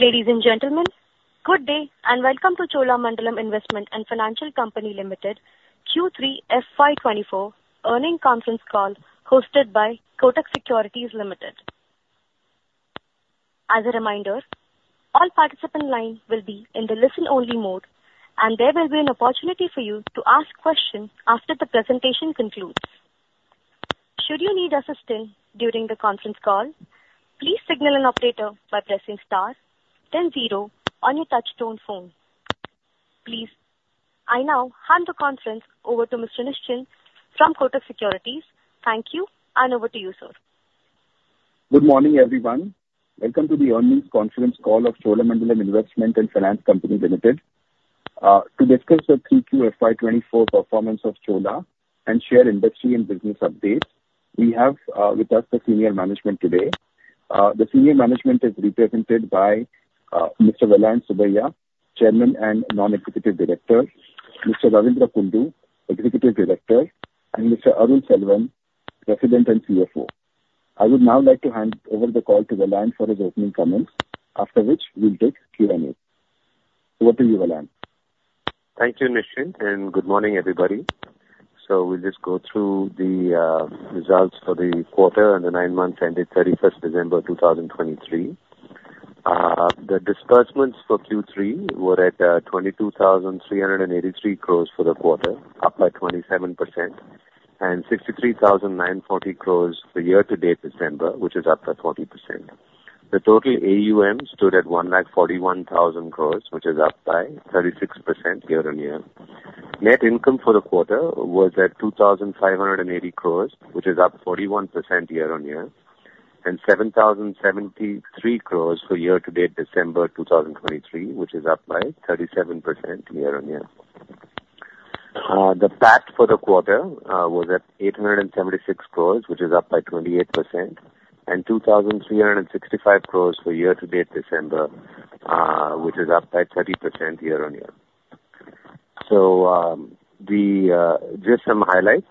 Ladies and gentlemen, good day, and welcome to Cholamandalam Investment and Finance Company Limited Q3 FY 2024 earnings conference call hosted by Kotak Securities Limited. As a reminder, all participant lines will be in the listen-only mode, and there will be an opportunity for you to ask questions after the presentation concludes. Should you need assistance during the conference call, please signal an operator by pressing Star then zero on your touchtone phone. Please, I now hand the conference over to Mr. Nischint from Kotak Securities. Thank you, and over to you, sir. Good morning, everyone. Welcome to the earnings conference call of Cholamandalam Investment and Finance Company Limited. To discuss the Q3 FY 2024 performance of Chola and share industry and business updates, we have with us the Senior Management today. The senior management is represented by Mr. Vellayan Subbiah, Chairman and Non-Executive Director, Mr. Ravindra Kundu, Executive Director, and Mr. Arul Selvan, President and CFO. I would now like to hand over the call to Vellayan for his opening comments, after which we'll take Q&A. Over to you, Vellayan. Thank you, Nischint, and good morning, everybody. So we'll just go through the results for the quarter and the nine months ended December 31st, 2023. The disbursements for Q3 were at 22,383 crore for the quarter, up by 27%, and 63,940 crore for year-to-date December, which is up by 40%. The total AUM stood at 141,000 crore, which is up by 36% year-on-year. Net income for the quarter was at 2,580 crore, which is up 41% year-on-year, and 7,073 crore for year-to-date December 2023, which is up by 37% year-on-year. The PAT for the quarter was at 876 crore, which is up by 28%, and 2,365 crore for year-to-date December, which is up by 30% year-on-year. So, just some highlights.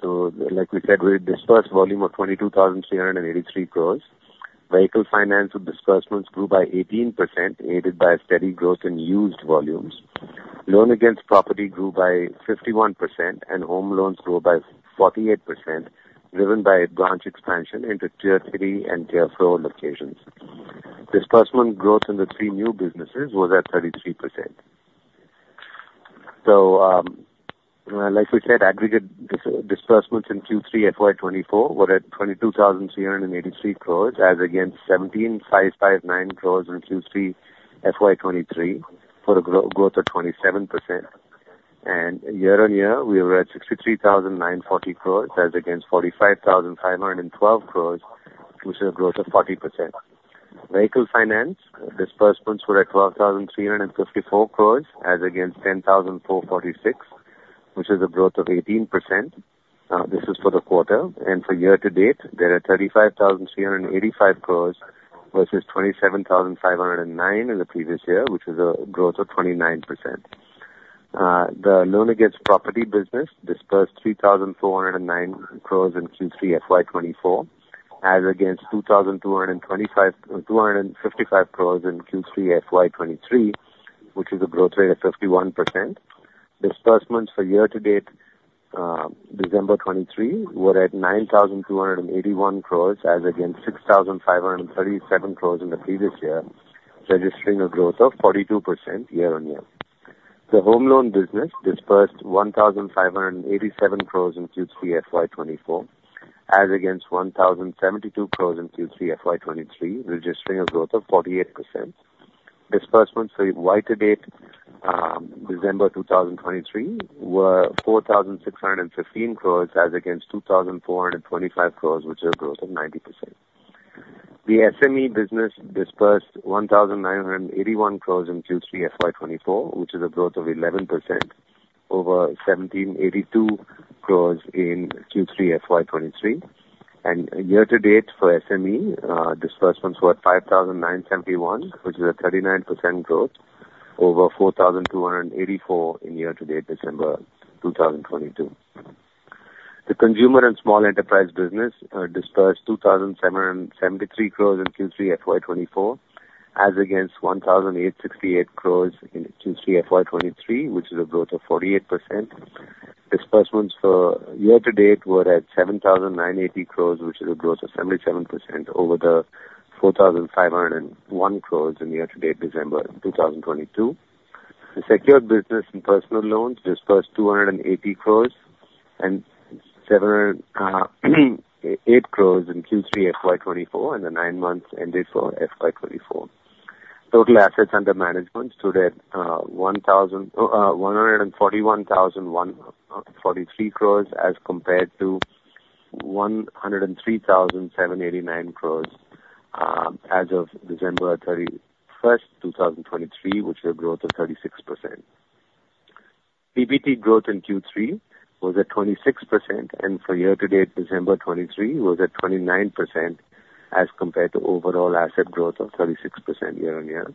So like we said, we disbursed volume of 22,383 crore. Vehicle finance disbursements grew by 18%, aided by a steady growth in used volumes. Loan against property grew by 51%, and Home loans grew by 48%, driven by branch expansion into Tier 3 and Tier 4 locations. Disbursement growth in the 3 new businesses was at 33%. So, like we said, aggregate disbursements in Q3 FY 2024 were at 22,383 crore, as against 17,559 crore in Q3 FY 2023, for a growth of 27%. Year-on-year, we were at 63,940 crore as against 45,512 crore, which is a growth of 40%. Vehicle finance disbursements were at 12,354 crore, as against 10,446, which is a growth of 18%. This is for the quarter. For year-to-date, there are 35,385 crore versus 27,509 in the previous year, which is a growth of 29%. The Loan against property business disbursed 3,409 crore in Q3 FY 2024, as against 2,255 crore in Q3 FY 2023, which is a growth rate of 51%. Disbursement for year-to-date December 2023 were at 9,281 crore, as against 6,537 crore in the previous year, registering a growth of 42% year-on-year. The Home loan business disbursed 1,587 crore in Q3 FY 2024, as against 1,072 crore in Q3 FY 2023, registering a growth of 48%. Disbursement for year-to-date December 2023 were 4,615 crore, as against 2,425 crore, which is a growth of 90%. The SME business disbursed 1,981 crore in Q3 FY 2024, which is a growth of 11% over 1,782 crore in Q3 FY 2023. Year-to-date for SME, disbursements were at 5,971 crore, which is a 39% growth over 4,284 crore in year-to-date December 2022. The consumer and small enterprise business disbursed 2,773 crore in Q3 FY 2024, as against 1,868 crore in Q3 FY 2023, which is a growth of 48%. Disbursements for year-to-date were at 7,980 crore, which is a growth of 77% over 4,501 crore in year-to-date December 2022. The Secured business and Personal loans disbursed 280 crores and 78 crores in Q3 FY 2024, and the nine months ended for FY 2024. Total assets under management stood at 141,143 crores as compared to 103,789 crores as of December 31, 2023, which is a growth of 36%. PBT growth in Q3 was at 26%, and for year-to-date December 2023, was at 29% as compared to overall asset growth of 36% year-on-year.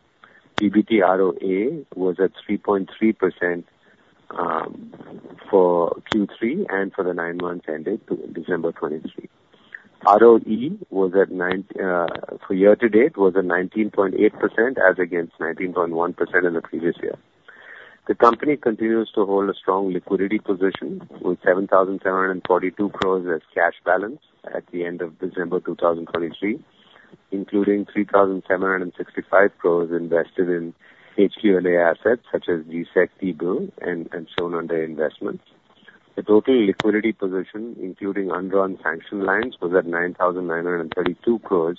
PBT-ROA was at 3.3% for Q3 and for the nine months ended December 2023. ROE for year to date was at 19.8%, as against 19.1% in the previous year. The company continues to hold a strong liquidity position, with 7,742 crore as cash balance at the end of December 2023, including 3,765 crore invested in HQLA assets such as G-Sec, T-Bill, and shown under investments. The total liquidity position, including undrawn sanction lines, was at 9,932 crore.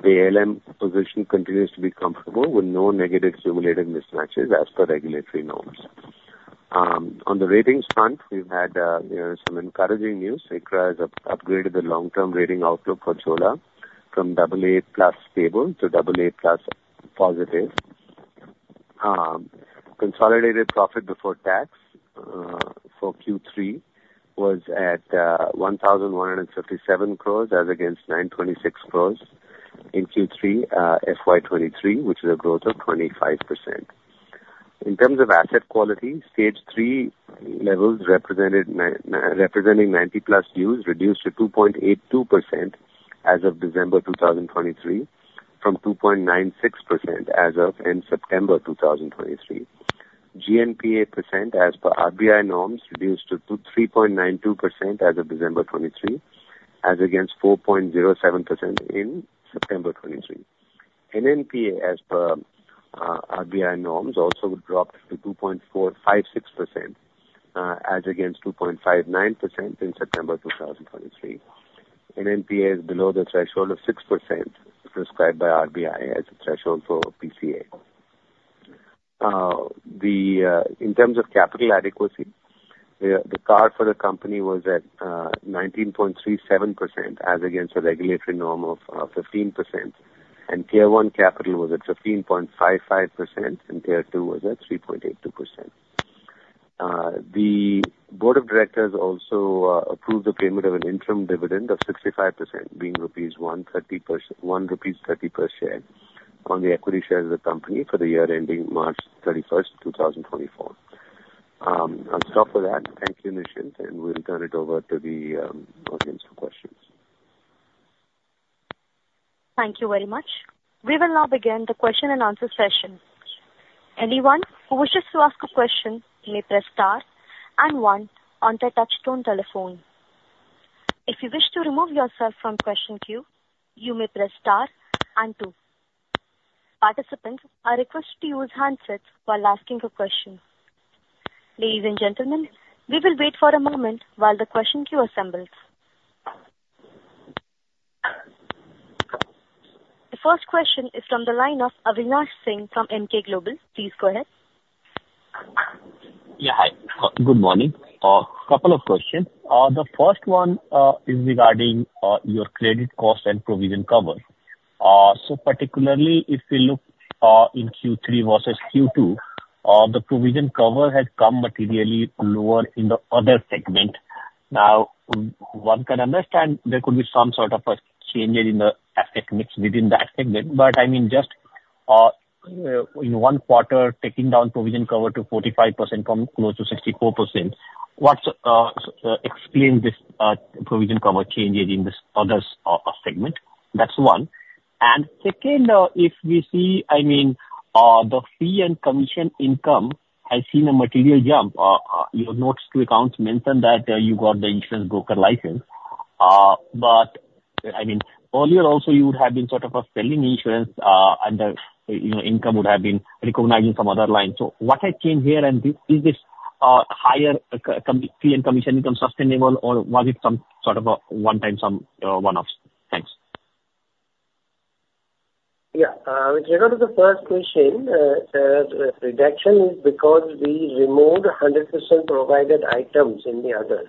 The ALM position continues to be comfortable, with no negative cumulative mismatches as per regulatory norms. On the ratings front, we've had, you know, some encouraging news. ICRA has upgraded the long-term rating outlook for Chola from AA+ stable to AA+ positive. Consolidated profit before tax for Q3 was at 1,157 crore, as against 926 crore in Q3 FY 2023, which is a growth of 25%. In terms of asset quality, stage three levels representing 90+ days reduced to 2.82% as of December 2023, from 2.96% as of September 2023. GNPA percent as per RBI norms reduced to 3.92% as of December 2023, as against 4.07% in September 2023. NNPA as per RBI norms also dropped to 2.456% as against 2.59% in September 2023. NNPA is below the threshold of 6% prescribed by RBI as a threshold for PCA. In terms of capital adequacy, the CRAR for the company was at 19.37% as against a regulatory norm of 15%, and Tier 1 capital was at 15.55%, and Tier 2 was at 3.82%. The Board of Directors also approved the payment of an interim dividend of 65%, being rupees 130 per share on the equity shares of the company for the year ending March 31, 2024. I'll stop with that. Thank you, Nischint, and we'll turn it over to the audience for questions. Thank you very much. We will now begin the question-and-answer session. Anyone who wishes to ask a question, may press Star and one on their touchtone telephone. If you wish to remove yourself from question queue, you may press Star and two. Participants are requested to use handsets while asking a question. Ladies and gentlemen, we will wait for a moment while the question queue assembles. The first question is from the line of Avinash Singh from Emkay Global. Please go ahead. Yeah, hi. Good morning. Couple of questions. The first one is regarding your credit cost and provision cover. So particularly if we look in Q3 versus Q2, the provision cover has come materially lower in the other segment. Now, one can understand there could be some sort of a changes in the asset mix within that segment, but I mean, just in one quarter, taking down provision cover to 45% from close to 64%, what's explain this provision cover changes in this other segment? That's one. And second, if we see, I mean, the fee and commission income has seen a material jump. Your notes to accounts mention that you got the insurance broker license. But, I mean, earlier also, you would have been sort of selling insurance, and the, you know, income would have been recognizing some other lines. So what has changed here, and is this higher commission fee and commission income sustainable, or was it some sort of a one-time sum, one-off? Thanks. Yeah. With regard to the first question, the reduction is because we removed 100% provided items in the others.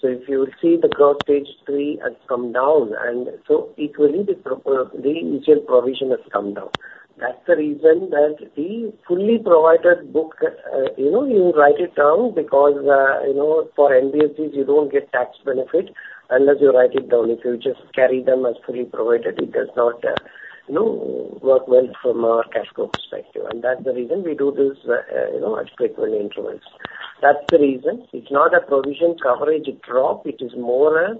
So if you see the gross Stage Three has come down, and so equally, the initial provision has come down. That's the reason that we fully provided book. You know, you write it down because, you know, for NBFCs, you don't get tax benefit unless you write it down. If you just carry them as fully provided, it does not, you know, work well from a cash flow perspective, and that's the reason we do this, you know, at frequent intervals. That's the reason. It's not a provision coverage drop. It is more a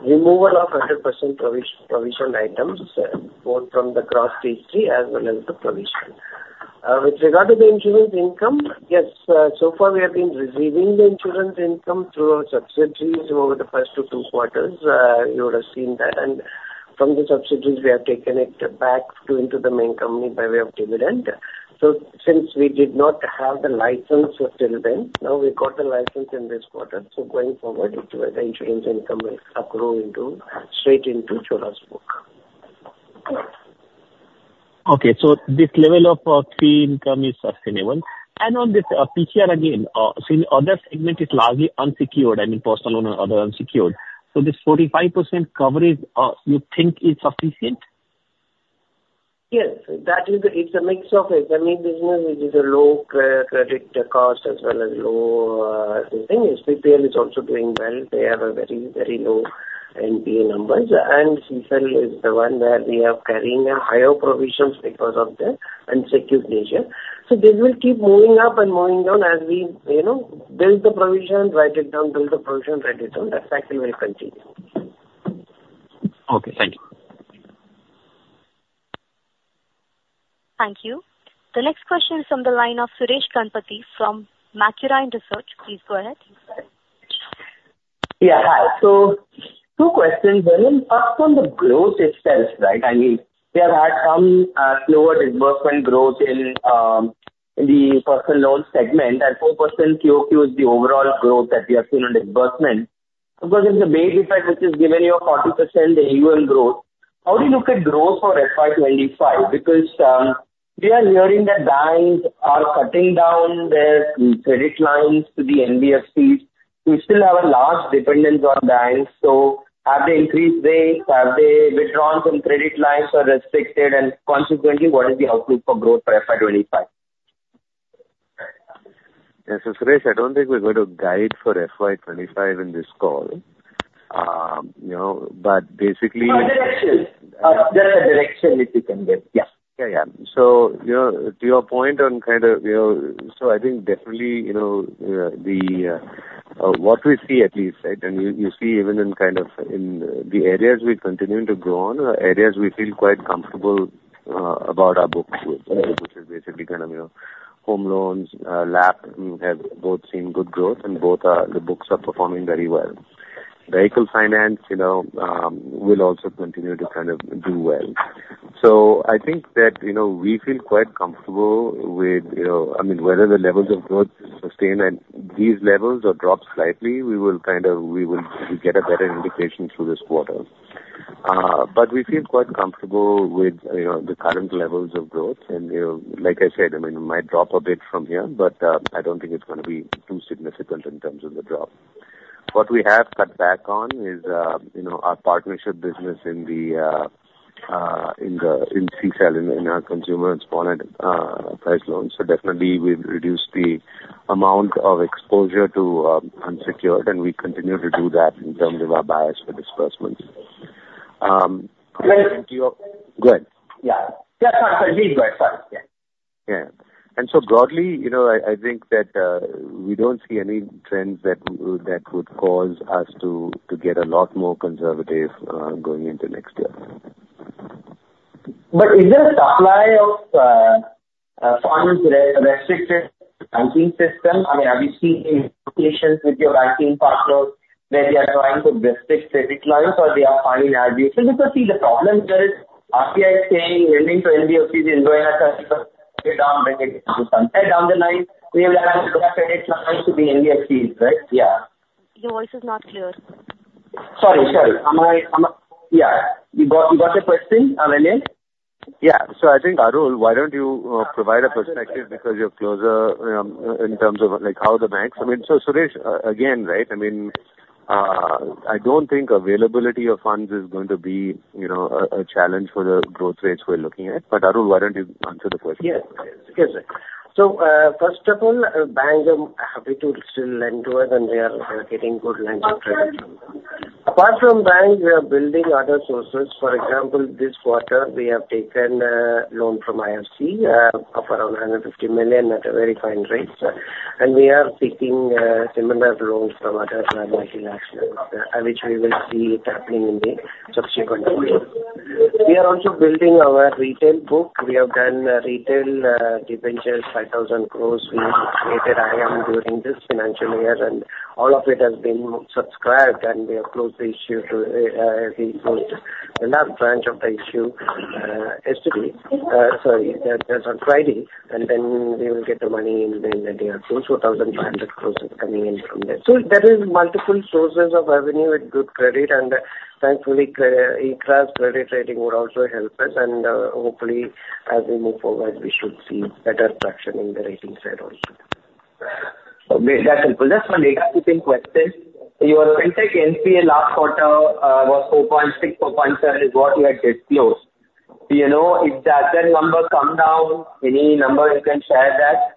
removal of 100% provision items, both from the gross Stage 3 as well as the provision. With regard to the insurance income, yes, so far we have been receiving the insurance income through our subsidiaries over the first two quarters. You would have seen that, and from the subsidiaries, we have taken it back into the main company by way of dividend. So since we did not have the license until then, now we got the license in this quarter, so going forward, it will, the insurance income will accrue into, straight into Chola's book. Okay. So this level of fee income is sustainable. And on this, PCR again, so in other segment, it's largely unsecured, I mean, Personal loan and other unsecured. So this 45% coverage, you think is sufficient? Yes. That is the. It's a mix of SME business, which is a low credit cost as well as low, SBPL is also doing well. They have a very, very low NPA numbers, and CSL is the one where we are carrying a higher provisions because of the unsecured nature. So this will keep moving up and moving down as we, you know, build the provision, write it down, build the provision, write it down. That cycle will continue. Okay, thank you. Thank you. The next question is from the line of Suresh Ganapathi from Macquarie Research. Please go ahead. Yeah, hi. So two questions. One, first on the growth itself, right? I mean, we have had some slower disbursement growth in the personal loan segment, and 4% QoQ is the overall growth that we have seen on disbursement. Because it's a base effect, which has given you a 40% annual growth. How do you look at growth for FY 2025? Because, we are hearing that banks are cutting down their credit lines to the NBFCs. We still have a large dependence on banks, so have they increased rates? Have they withdrawn some credit lines or restricted, and consequently, what is the outlook for growth for FY 2025? Yes. So, Suresh, I don't think we're going to guide for FY 2025 in this call. You know, but basically- Direction. Just a direction if you can give. Yeah. Yeah, yeah. So, you know, to your point on kind of, you know. So I think definitely, you know, what we see at least, right? And you see even in kind of in the areas we're continuing to grow on, are areas we feel quite comfortable about our book, which is basically kind of, you know, home loans, LAP, have both seen good growth and both are, the books are performing very well. Vehicle finance, you know, will also continue to kind of do well. So I think that, you know, we feel quite comfortable with, you know, I mean, whether the levels of growth sustain at these levels or drop slightly, we will kind of, we will get a better indication through this quarter. But we feel quite comfortable with, you know, the current levels of growth, and, you know, like I said, I mean, it might drop a bit from here, but I don't think it's going to be too significant in terms of the drop. What we have cut back on is, you know, our partnership business in the CSEL, in our consumer installment loans. So definitely we've reduced the amount of exposure to unsecured, and we continue to do that in terms of our bias for disbursements. Into your. Go ahead. Yeah. Yeah, please go ahead. Sorry. Yeah. Yeah. And so broadly, you know, I think that we don't see any trends that would cause us to get a lot more conservative, going into next year. But is there a supply of funds restricted banking system? I mean, are you seeing implications with your banking partners, where they are trying to restrict credit lines, or they are finding out? Because, you see, the problem there is, RBI is saying lending to NBFCs is going down, down the line. We have credit lines to the NBFCs, right? Yeah. Your voice is not clear. Sorry, sorry. Am I? Yeah. You got the question, Vinu? Yeah. So I think, Arul, why don't you provide a perspective, because you're closer in terms of, like, how the banks. I mean, so Suresh, again, right, I mean, I don't think availability of funds is going to be, you know, a challenge for the growth rates we're looking at. But, Arul, why don't you answer the question? Yes. Yes, sir. So, first of all, banks are happy to still lend to us, and we are getting good lines of credit. Apart from banks, we are building other sources. For example, this quarter, we have taken a loan from IFC of around $150 million at a very fine rate. And we are seeking similar loans from other multinational actors, which we will see happening in the subsequent quarter. We are also building our retail book. We have done a retail debentures, 5,000 crores. We created IM during this financial year, and all of it has been subscribed, and we have closed the issue to, we closed the last branch of the issue, yesterday. Sorry, that was on Friday, and then we will get the money in the near future. So 2,500 crore is coming in from there. So there is multiple sources of revenue with good credit, and thankfully, ICRA's credit rating would also help us, and, hopefully, as we move forward, we should see better traction in the rating side also. That's helpful. Just one housekeeping question. Your FinTech NPA last quarter was 4.6, 4.7, is what you had disclosed. Do you know if that number come down, any number you can share that?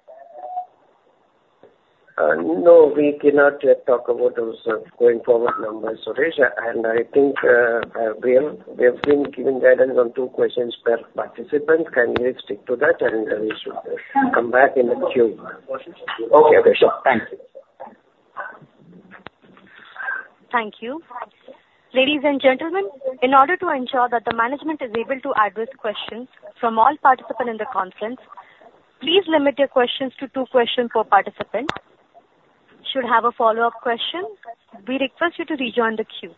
No, we cannot yet talk about those going forward numbers, Suresh. And I think, we have been giving guidance on two questions per participant. Can we stick to that, and we should come back in the queue? Okay. Okay, sure. Thank you. Thank you. Ladies and gentlemen, in order to ensure that the management is able to address questions from all participants in the conference, please limit your questions to two questions per participant. Should you have a follow-up question, we request you to rejoin the queue.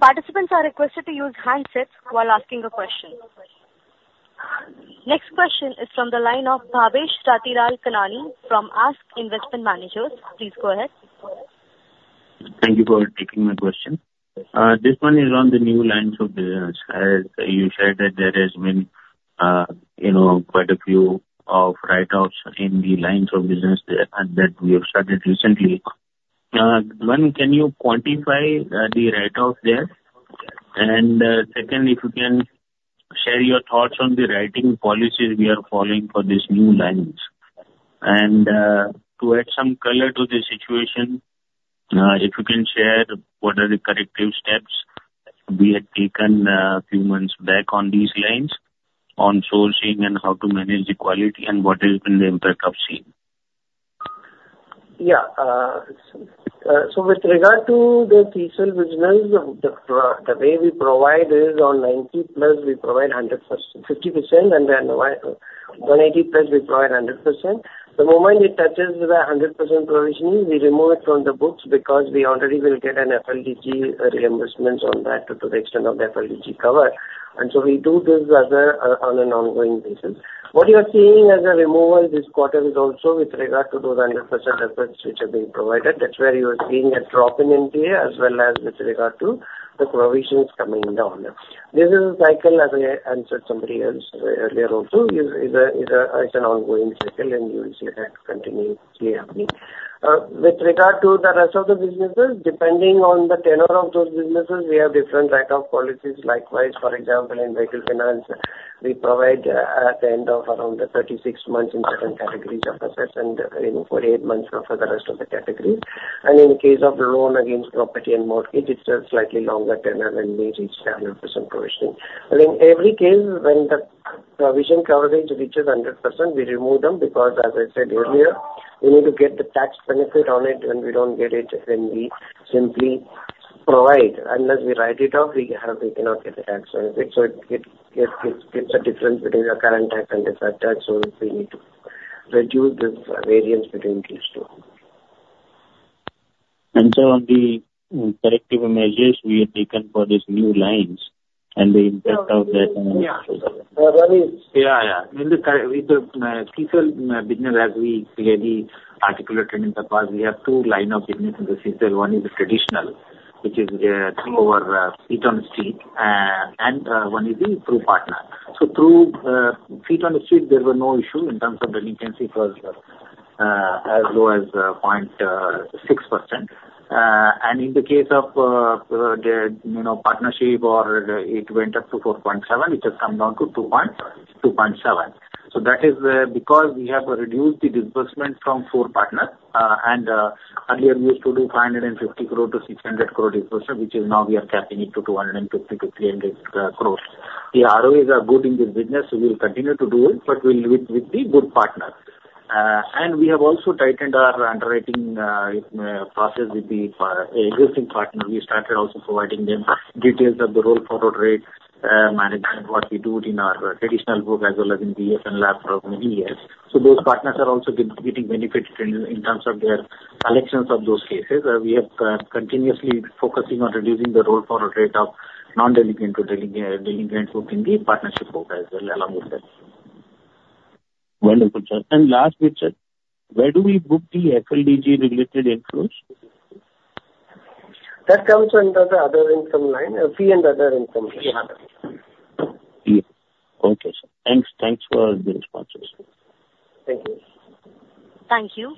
Participants are requested to use handsets while asking a question. Next question is from the line of Bhavesh Ratilal Kanani from ASK Investment Managers. Please go ahead. Thank you for taking my question. This one is on the new lines of business. As you said, that there has been, you know, quite a few of write-offs in the lines of business that we have started recently. One, can you quantify the write-off there? And, secondly, if you can share your thoughts on the writing policies we are following for these new lines. And, to add some color to the situation, if you can share, what are the corrective steps we had taken a few months back on these lines, on sourcing and how to manage the quality, and what has been the impact I've seen? Yeah. So with regard to the CSEL business, the way we provide is on 90+, we provide 50%, and then on 180+, we provide 100%. The moment it touches the 100% provisioning, we remove it from the books because we already will get an FLDG reimbursements on that to the extent of the FLDG cover. And so we do this as a on an ongoing basis. What you are seeing as a removal this quarter is also with regard to those 100% efforts which are being provided. That's where you are seeing a drop in NPA, as well as with regard to the provisions coming down. This is a cycle, as I answered somebody else earlier also. It's an ongoing cycle, and you will see that continue clearly. With regard to the rest of the businesses, depending on the tenure of those businesses, we have different type of policies. Likewise, for example, in vehicle finance, we provide at the end of around 36 months in different categories of assets, and, you know, 48 months for the rest of the categories. And in case of loan against property and mortgage, it's a slightly longer tenure, and we reach 100% provisioning. But in every case, when the provision coverage reaches 100%, we remove them, because as I said earlier, we need to get the tax benefit on it, and we don't get it when we simply provide. Unless we write it off, we cannot get the tax benefit. So it's a difference between the current tax and the tax, so we need to reduce this variance between these two. And so on the corrective measures we have taken for these new lines and the impact of that on Yeah. Yeah, yeah. In the current, with the CSEL business, as we clearly articulated in the past, we have two line of business in the CSEL. One is the traditional, which is through our feet on the street, and one is the through partner. So through feet on the street, there were no issue in terms of delinquency, because as low as point six percent. And in the case of the you know, partnership or it went up to 4.7, it has come down to 2.2, 2.7. So that is because we have reduced the disbursement from four partners, and earlier we used to do 550 crore-600 crore disbursement, which is now we are capping it to 250 crores-300 crores. The ROIs are good in this business, so we will continue to do it, but we'll do it with the good partners. And we have also tightened our underwriting process with the existing partner. We started also providing them details of the roll forward rate management, what we do it in our traditional book, as well as in the in LAP for many years. So those partners are also getting benefits in terms of their collections of those cases. We have continuously focusing on reducing the roll forward rate of non-delinquent to delinquent, delinquent book in the partnership book as well, along with that. Wonderful, sir. And last bit, sir: Where do we book the FLDG-related outflows? That comes under the other income line, fee and other income. Yeah. Yeah. Okay, sir. Thanks. Thanks for the responses. Thank you. Thank you.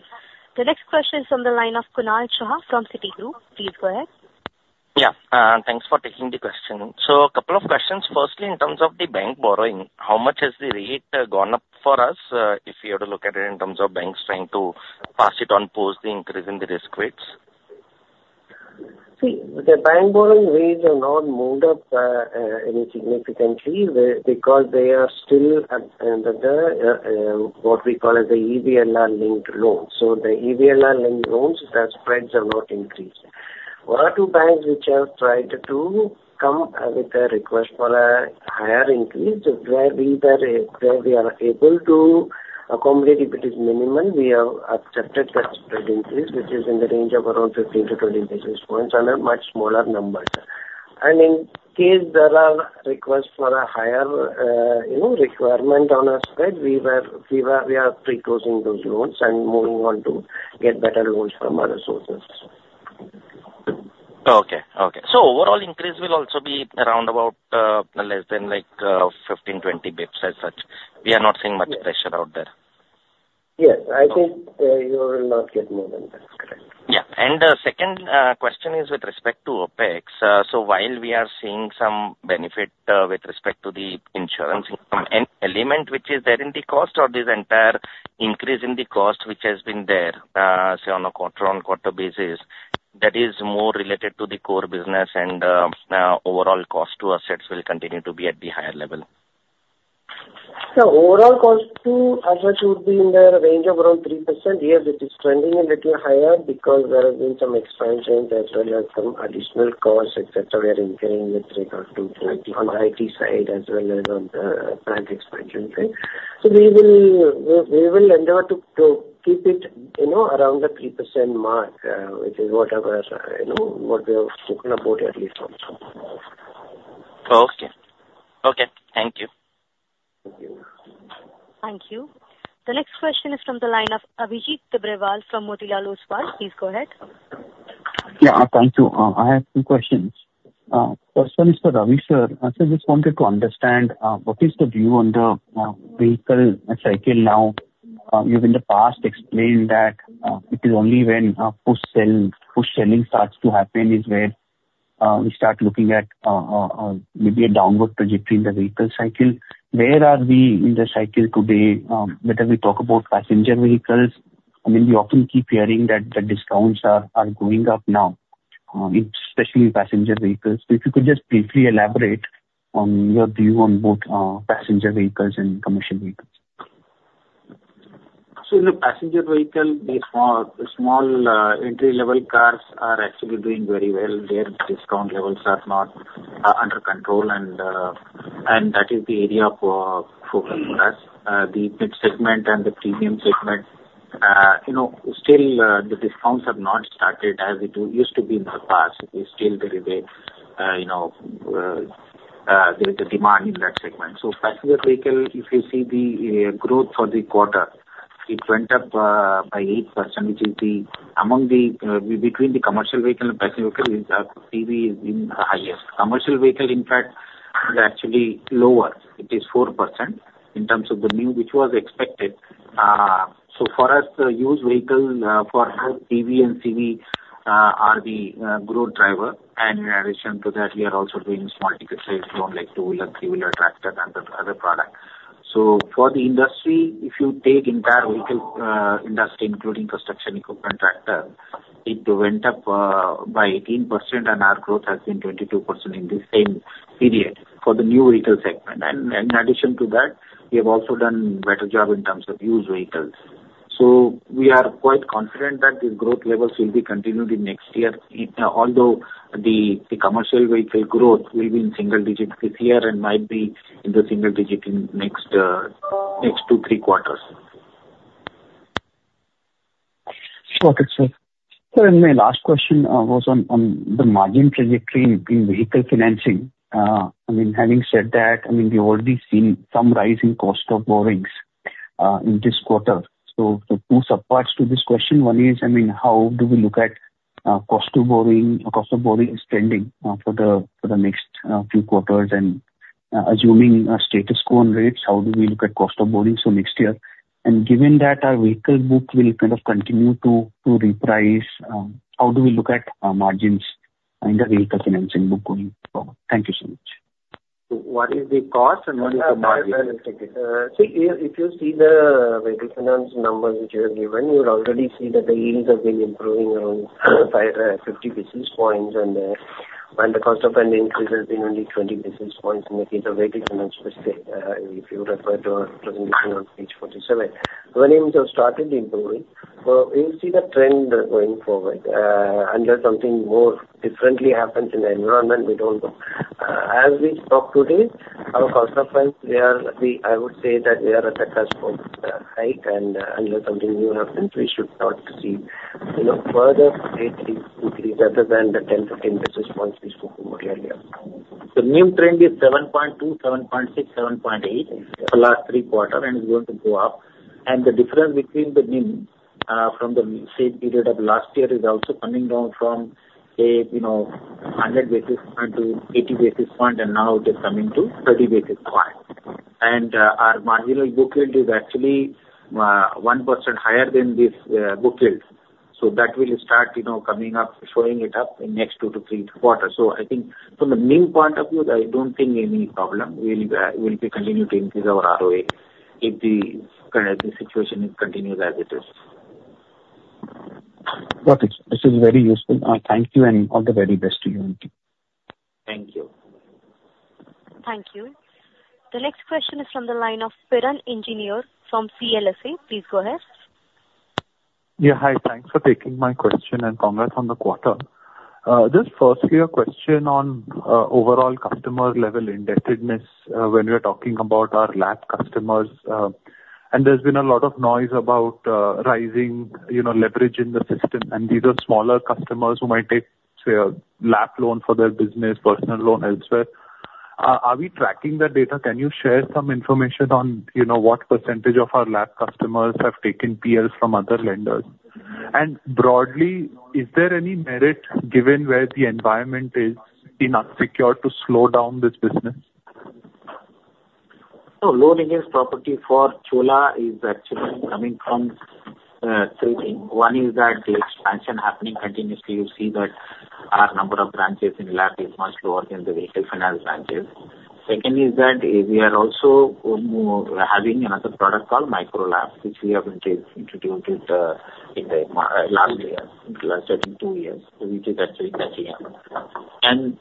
The next question is from the line of Kunal Shah from Citigroup. Please go ahead. Yeah. Thanks for taking the question. So a couple of questions. Firstly, in terms of the bank borrowing, how much has the rate gone up for us, if you have to look at it in terms of banks trying to pass it on post the increase in the risk rates? See, the bank borrowing rates are not moved up any significantly, because they are still at, under the, what we call as the EBLR-linked loans. So the EBLR-linked loans, the spreads are not increased. One or two banks which have tried to come with a request for a higher increase, where we were, where we are able to accommodate, if it is minimal, we have accepted that spread increase, which is in the range of around 15-20 basis points on a much smaller number. And in case there are requests for a higher, you know, requirement on our side, we are pre-closing those loans and moving on to get better loans from other sources. Okay. Okay. So overall increase will also be around about less than like 15-20 basis points as such. We are not seeing much pressure out there. Yes, I think, you will not get more than that. Correct. Yeah. And the second question is with respect to OpEx. So while we are seeing some benefit with respect to the insurance income, an element which is there in the cost or this entire increase in the cost, which has been there, say, on a quarter-on-quarter basis, that is more related to the core business and overall cost to assets will continue to be at the higher level? So overall cost to assets would be in the range of around 3%. Yes, it is trending a little higher because there have been some expansions as well as some additional costs, et cetera, we are incurring with regard to on the IT side as well as on the branch expansion side. So we will endeavor to keep it, you know, around the 3% mark, which is what I was, you know, what we have spoken about earlier also. Okay. Okay, thank you. Thank you. Thank you. The next question is from the line of Abhijit Tibrewal from Motilal Oswal. Please go ahead. Yeah, thank you. I have two questions. First one is for Ravi, sir. I just wanted to understand what is the view on the vehicle cycle now? You've in the past explained that it is only when push selling starts to happen is where we start looking at maybe a downward trajectory in the vehicle cycle. Where are we in the cycle today? Whether we talk about passenger vehicles, I mean, we often keep hearing that the discounts are going up now, especially in passenger vehicles. So if you could just briefly elaborate on your view on both passenger vehicles and commercial vehicles. So in the passenger vehicle, the small entry-level cars are actually doing very well. Their discount levels are not under control, and that is the area of focus for us. Mm-hmm. The mid segment and the premium segment, you know, still, the discounts have not started as it used to be in the past. It is still very, very, you know, there is a demand in that segment. So passenger vehicle, if you see the growth for the quarter, it went up by 8%, which is the among the, between the commercial vehicle and passenger vehicle, is, PV is in the highest. Commercial vehicle, in fact, is actually lower. It is 4% in terms of the new, which was expected. So for us, the used vehicle, for both PV/CV, are the growth driver. And in addition to that, we are also doing small ticket sales from, like, two-wheeler, three-wheeler, tractor, and the other products. So for the industry, if you take entire vehicle industry, including construction equipment, tractor, it went up by 18%, and our growth has been 22% in the same period for the new vehicle segment. And, and in addition to that, we have also done better job in terms of used vehicles. So we are quite confident that the growth levels will be continued in next year, although the, the commercial vehicle growth will be in single digits this year and might be in the single-digit in next, next two, three quarters. Got it, sir. So then my last question was on the margin trajectory in vehicle financing. I mean, having said that, I mean, we've already seen some rise in cost of borrowings in this quarter. So the two sub parts to this question, one is, I mean, how do we look at cost of borrowing extending for the next few quarters? And assuming a status quo on rates, how do we look at cost of borrowing for next year? And given that our vehicle book will kind of continue to reprice, how do we look at margins in the vehicle financing book going forward? Thank you so much. So what is the cost and what is the margin? So if, if you see the vehicle finance numbers which you have given, you will already see that the yields have been improving around 50 basis points, and, and the cost of funding increase has been only 20 basis points in the case of vehicle finance per se, if you refer to our presentation on page 47. The earnings have started improving, so you'll see the trend going forward. Unless something more differently happens in the environment, we don't know. As we talk today, our cost of funds, we are we, I would say that we are at the cusp of hike, and, unless something new happens, we should start to see, you know, further rate increase other than the 10, 15 basis points we spoke about earlier. The NIM trend is 7.2, 7.6, 7.8, for last three quarters, and is going to go up. The difference between the NIM from the same period of last year is also coming down from a, you know, 100 basis points to 80 basis points, and now it is coming to 30 basis points. Our marginal book yield is actually 1% higher than this book yield. So that will start, you know, coming up, showing it up in next two to three quarters. So I think from the NIM point of view, I don't think any problem. We'll, we'll be continuing to increase our ROA if the kind of the situation continues as it is. Got it. This is very useful. Thank you, and all the very best to you. Thank you. Thank you. The next question is from the line of Piran Engineer from CLSA. Please go ahead. Yeah, hi. Thanks for taking my question, and congrats on the quarter. Just firstly, a question on overall customer-level indebtedness, when we are talking about our LAP customers, and there's been a lot of noise about rising, you know, leverage in the system. And these are smaller customers who might take, say, a LAP loan for their business, personal loan elsewhere. Are we tracking that data? Can you share some information on, you know, what percentage of our LAP customers have taken PL from other lenders? And broadly, is there any merit, given where the environment is in unsecured, to slow down this business? So loan against property for Chola is actually coming from three things. One is that the expansion happening continuously, you see that our number of branches in LAP is much lower than the vehicle finance branches. Second is that we are also having another product called Micro LAP, which we have introduced it in the last year, in last, I think two years, which is actually catching up. And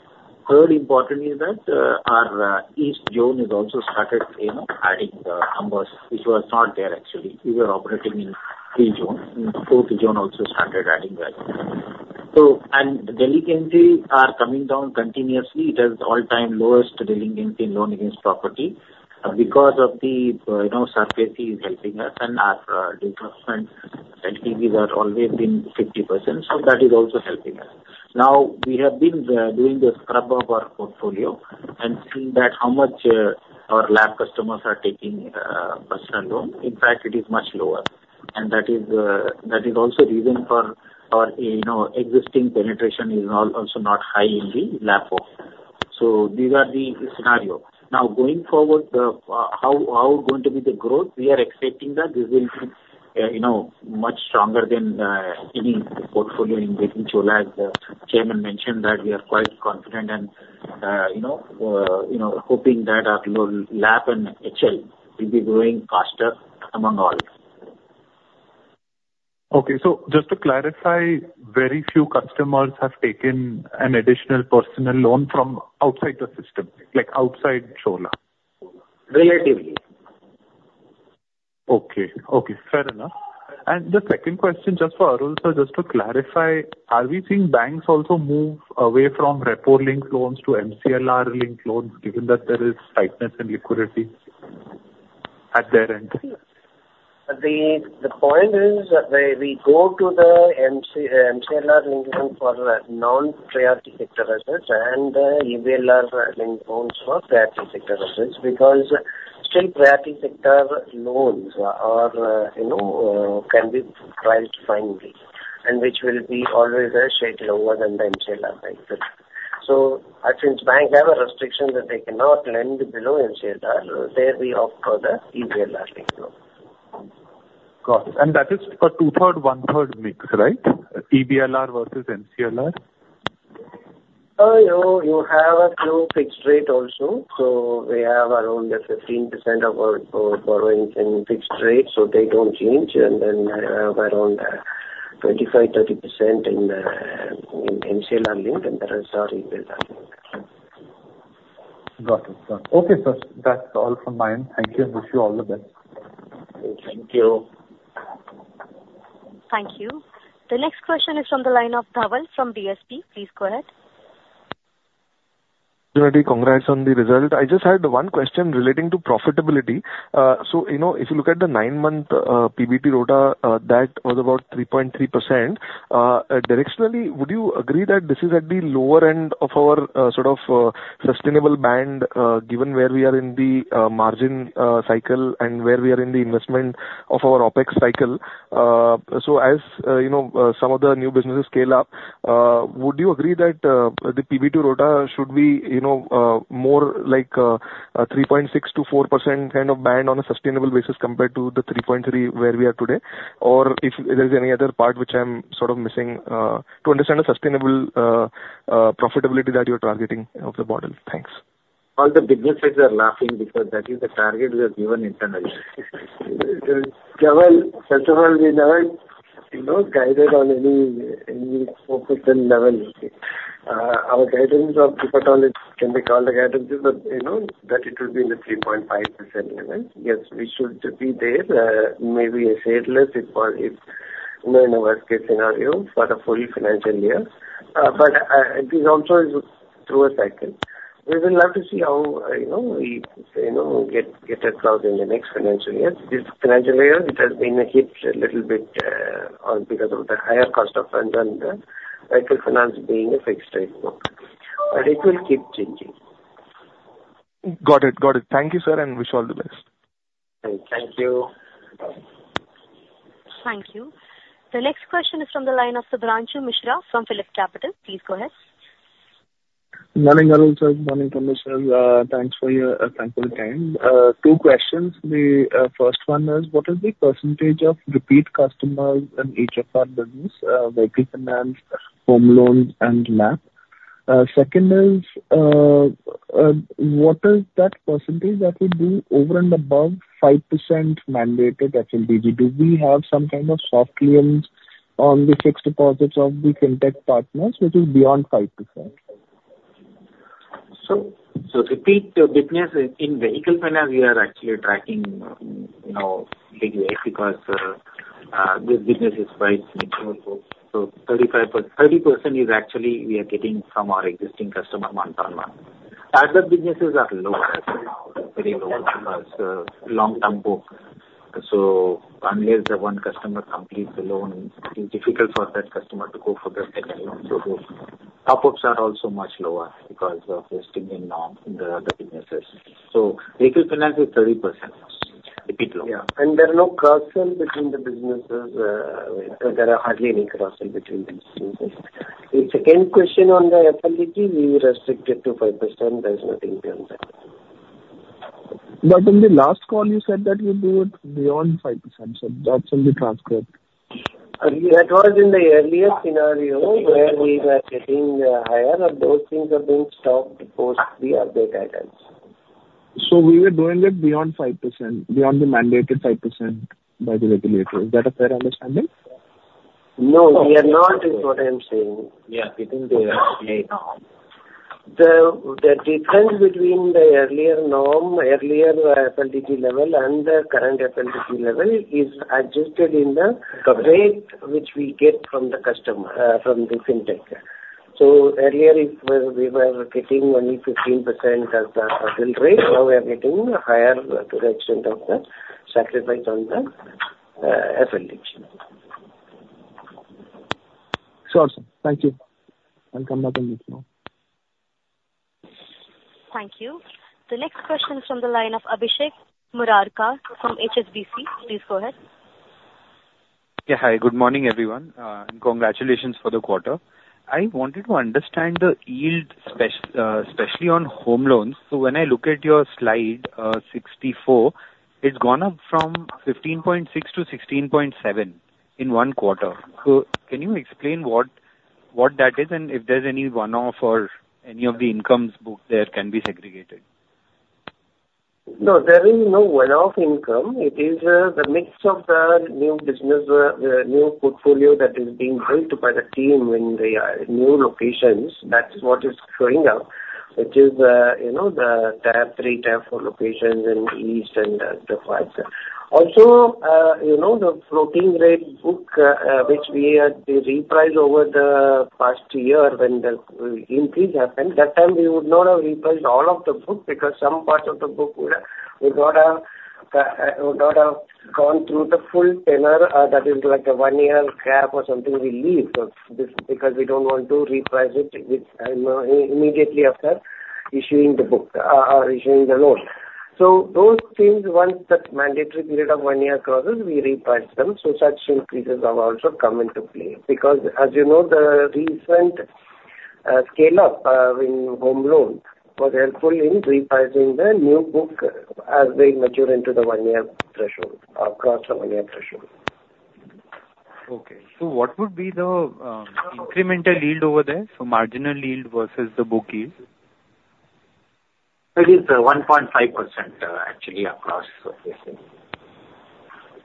third important is that our east zone has also started, you know, adding the numbers, which was not there actually. We were operating in three zone, and fourth zone also started adding value. So, and delinquency are coming down continuously. It is all-time lowest delinquency in loan against property, because of the, you know, circulation is helping us and our, disbursement LAPs are always been 50%, so that is also helping us. Now, we have been, doing the scrub of our portfolio and seeing that how much, our LAP customers are taking, personal loan. In fact, it is much lower. That is, that is also reason for, for, you know, existing penetration is also not high in the LAP. So these are the scenario. Now, going forward, how going to be the growth? We are expecting that this will be, you know, much stronger than, any portfolio in Chola. As the Chairman mentioned, that we are quite confident and, you know, you know, hoping that our LAP and HL will be growing faster among all. Okay, so just to clarify, very few customers have taken an additional personal loan from outside the system, like outside Chola? Relatively. Okay. Okay, fair enough. The second question, just for Arul, sir, just to clarify, are we seeing banks also move away from repo-linked loans to MCLR-linked loans, given that there is tightness in liquidity at their end? The point is that we go to the MCLR-linked loan for non-priority sector assets and EBLR-linked loans for priority sector assets, because still priority sector loans are, you know, can be priced finely, and which will be always a shade lower than the MCLR rates. So since banks have a restriction that they cannot lend below MCLR, there we opt for the EBLR-linked loans. Got it. And that is for 2/3, 2/3, right? EBLR versus MCLR. You have a few fixed rate also, so we have around 15% of our borrowings in fixed rates, so they don't change. And then, around 25%-30% in MCLR linked, and the rest are EBLR linked. Got it. Got it. Okay, sir. That's all from my end. Thank you, and wish you all the best. Thank you. Thank you. The next question is on the line of Dhawal Gada from DSP. Please go ahead. Congrats on the result. I just had one question relating to profitability. So, you know, if you look at the nine-month PBT ROTA, that was about 3.3%. Directionally, would you agree that this is at the lower end of our sort of sustainable band, given where we are in the margin cycle and where we are in the investment of our OpEx cycle? So as you know, some of the new businesses scale up, would you agree that the PBT-ROTA should be, you know, 3.6%-4% kind of band on a sustainable basis compared to the 3.3%, where we are today? Or if there's any other part which I'm sort of missing, to understand the sustainable profitability that you're targeting of the model. Thanks. All the businesses are laughing because that is the target we have given internally. Dhawal, first of all, we never, you know, guided on any, any specific level. Our guidance of pre-provision can be called a guidance, but, you know, that it will be in the 3.5% level. Yes, we should be there, maybe a shade less if for it, you know, in a worst-case scenario for the full financial year. But, it is also through a cycle. We will have to see how, you know, we, you know, get, get ourselves in the next financial year. This financial year, it has been hit a little bit, on because of the higher cost of funds and the vehicle finance being a fixed rate loan, but it will keep changing. Got it. Got it. Thank you, sir, and wish you all the best. Thank you. Thank you. The next question is from the line of Shubhranshu Mishra from PhillipCapital. Please go ahead. Good morning, Arul sir. Good morning, Thank you, sir. Thanks for your, thankful time. Two questions. The first one is, what is the percentage of repeat customers in each of our business, vehicle finance, Home loans, and LAP? Second is, what is that percentage that would be over and above 5% mandated FLDG? Do we have some kind of soft liens on the fixed deposits of the Fintech partners, which is beyond 5%? So repeat business in Vehicle Finance, we are actually tracking, you know, because this business is quite mature. So 35, 30% is actually we are getting from our existing customer month-on-month. Other businesses are lower, very low, long-term book. So unless the one customer completes the loan, it's difficult for that customer to go for the second loan. So top-ups are also much lower because of the seasoning norm in the other businesses. So Vehicle Finance is 30%. Repeat loan. Yeah, and there are no crossing between the businesses, there are hardly any crossing between these businesses. The second question on the FLDG, we restrict it to 5%. There's nothing beyond that. But in the last call, you said that you do it beyond 5%, sir. That's in the transcript. That was in the earlier scenario where we were getting higher, and those things have been stopped post the update items. We were doing it beyond 5%, beyond the mandated 5% by the regulator. Is that a fair understanding? No, we are not, is what I'm saying. Yeah, it is the norm. The difference between the earlier norm, earlier, FLDG level and the current FLDG level is adjusted in the- Got it. rate, which we get from the customer, from the Fintech. So earlier if we were getting only 15% as the bill rate, now we are getting higher to the extent of the sacrifice on the FLDG. Sure, sir. Thank you. I'll come back on this now. Thank you. The next question is from the line of Abhishek Murarka from HSBC. Please go ahead. Yeah, hi. Good morning, everyone. Congratulations for the quarter. I wanted to understand the yield, spec, especially on home loans. So when I look at your Slide 64, it's gone up from 15.6% to 16.7% in one quarter. So can you explain what, what that is, and if there's any one-off or any of the incomes booked there can be segregated? No, there is no one-off income. It is, the mix of the new business, the new portfolio that is being built by the team in the, new locations. That is what is showing up, which is, you know, the tier three, tier four locations in the East and the five. Also, you know, the floating rate book, which we had repriced over the past year when the, increase happened. That time, we would not have repriced all of the book because some parts of the book would, would not have, would not have gone through the full tenure, that is like a one-year cap or something we leave, because we don't want to reprice it with, immediately after issuing the book, or issuing the loan. So those things, once that mandatory period of one year crosses, we reprice them, so such increases have also come into play. Because as you know, the recent scale up in Home loans was helpful in repricing the new book as they mature into the one-year threshold or across the one-year threshold. Okay. So what would be the incremental yield over there, so marginal yield versus the book yield? It is 1.5%, actually, across, so to say.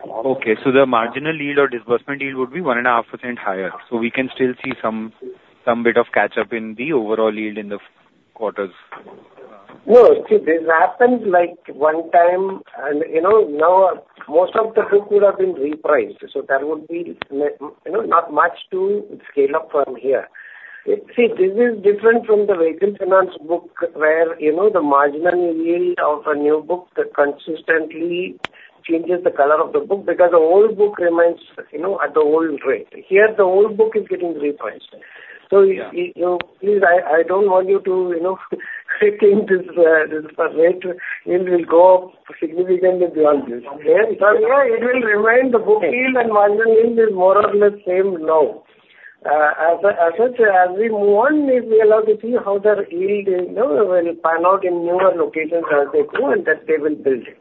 Okay, so the marginal yield or disbursement yield would be 1.5% higher. So we can still see some bit of catch up in the overall yield in the quarters? No. See, this happened like one time, and, you know, now most of the book would have been repriced, so there would be, you know, not much to scale up from here. See, this is different from the vehicle finance book, where, you know, the marginal yield of a new book that consistently changes the color of the book because the old book remains, you know, at the old rate. Here, the old book is getting repriced. Yeah. You know, please, I don't want you to, you know, think this rate will go significantly beyond this. Okay. But, yeah, it will remain the book yield and marginal yield is more or less same now. As such, as we move on, we'll be allowed to see how their yield is, you know, will pan out in newer locations as they grow, and that they will build it.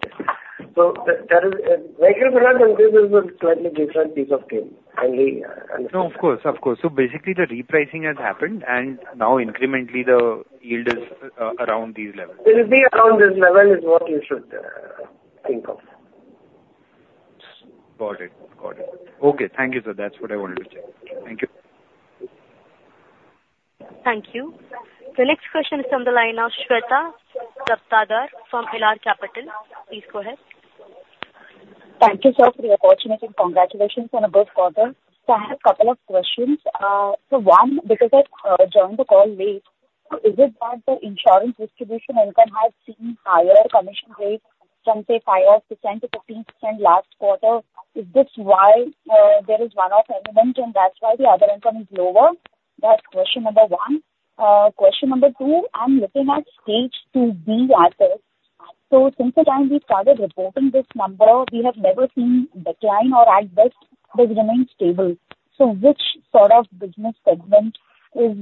So there is vehicle finance is a slightly different piece of cake, and we understand. No, of course, of course. So basically, the repricing has happened, and now incrementally, the yield is around these levels? It will be around this level is what you should think of. Got it. Got it. Okay, thank you, sir. That's what I wanted to check. Thank you. Thank you. The next question is from the line of Shweta Daptardar from Elara Capital. Please go ahead. Thank you, sir, for the opportunity, and congratulations on a good quarter. So I have a couple of questions. So one, because I joined the call late, is it that the insurance distribution income has seen higher commission rates from, say, 5%-15% last quarter? Is this why there is one-off element and that's why the other income is lower? That's question number 1. Question number 2, I'm looking at Stage 2 B assets. So since the time we started reporting this number, we have never seen decline, or at best, they've remained stable. So which sort of business segment is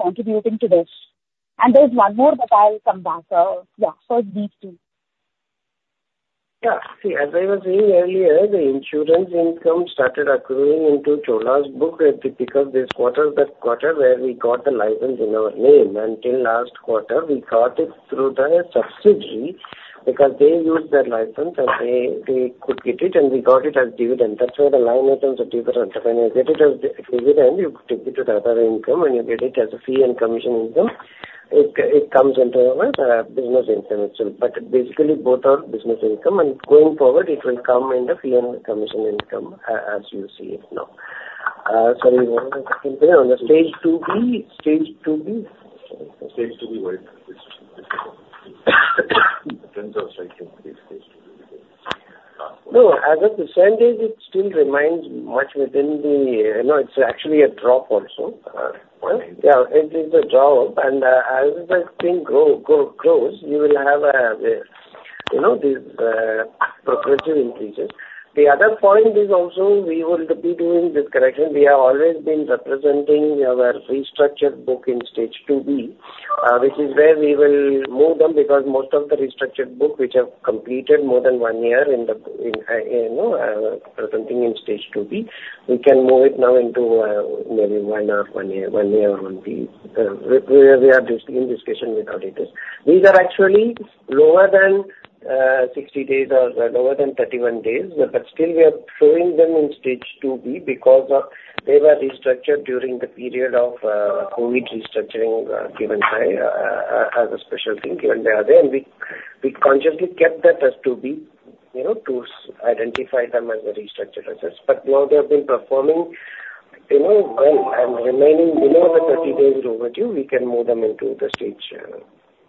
contributing to this? And there's one more, but I'll come back. Yeah, so it's these two. Yeah. See, as I was saying earlier, the insurance income started accruing into Chola's book because this quarter is the quarter where we got the license in our name. Until last quarter, we got it through the subsidiary because they used their license, and they could get it, and we got it as dividend. That's why the line items are different. When you get it as dividend, you take it to the other income, when you get it as a fee and commission income, it comes into our business income itself. But basically, both are business income, and going forward, it will come in the fee and commission income as you see it now. Sorry, what was the second thing? On the Stage 2B? Stage 2B. Stage 2B, where it depends on cycle, Stage 2B. No, as of percentage, it still remains much within the. No, it's actually a drop also. Uh, right. Yeah, it is a drop, and, as the thing grows, you will have a, you know, these progressive increases. The other point is also we will be doing this correction. We have always been representing our restructured book in Stage 2B, which is where we will move them because most of the restructured book, which have completed more than one year in the, in, you know, something in Stage 2B, we can move it now into, maybe one half, one year, one year on the, we are just in discussion with auditors. These are actually lower than 60 days or lower than 31 days, but still, we are showing them in Stage 2B because they were restructured during the period of COVID restructuring given by as a special thing, when they are there. And we consciously kept that as 2B, you know, to identify them as restructured assets. But now they have been performing, you know, well, and remaining below the 30 days overdue, we can move them into the Stage 1,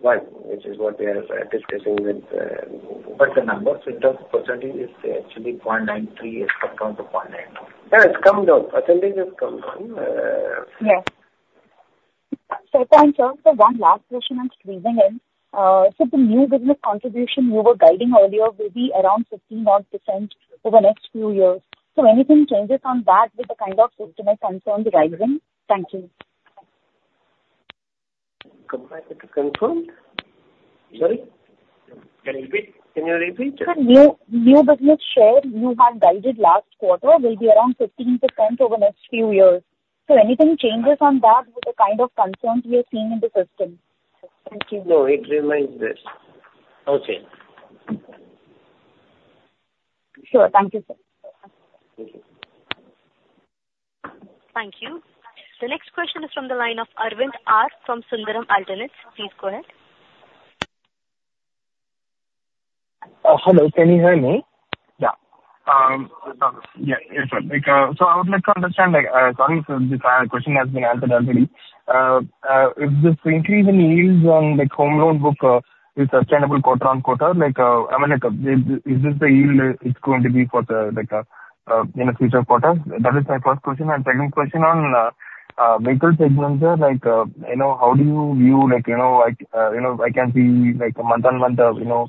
which is what we are discussing with- But the numbers in terms of percentage is actually 0.93% as compared to 0.9%. Yeah, it's come down. Percentage has come down. Yes. So can I ask for one last question and squeezing in? So the new business contribution you were guiding earlier will be around 15 odd percent over the next few years. So anything changes on that with the kind of system and concerns rising? Thank you. Compared to concerned? Sorry. Can you repeat? Can you repeat? Sir, new business share you had guided last quarter will be around 15% over the next few years. So anything changes on that with the kind of concerns we are seeing in the system? Thank you. No, it remains this. Okay. Sure. Thank you, sir. Thank you. Thank you. The next question is from the line of Arvind R from Sundaram Alternates. Please go ahead. Hello, can you hear me? Yeah. Yeah, yes, sir. Like, so I would like to understand, like, sorry if the question has been answered already. If this increase in yields on, like, home loan book, is sustainable quarter-on-quarter, like, I mean, like, is this the yield it's going to be for the, like, in the future quarters? That is my first question. And second question on, Vehicle segment, sir, like, you know, how do you view, like, you know, like, you know, I can see like a month-on-month, you know,